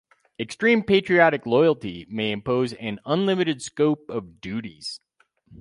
Extreme patriotic loyalty may impose an unlimited scope of duties.